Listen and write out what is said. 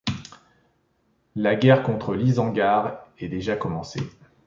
La guerre contre l'Isengard est déjà commencée.